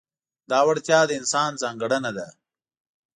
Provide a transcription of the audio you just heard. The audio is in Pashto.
دا وړتیا د انسان ځانګړنه ده.